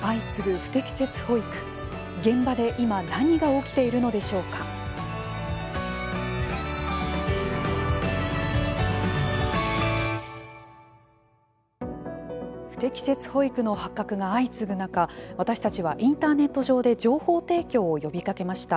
不適切保育の発覚が相次ぐ中私たちはインターネット上で情報提供を呼びかけました。